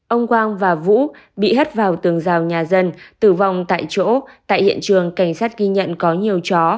ông quang và vũ bị hất vào tường rào nhà dân tử vong tại chỗ tại hiện trường cảnh sát ghi nhận có nhiều chó